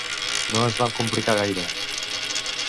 No es van complicar gaire.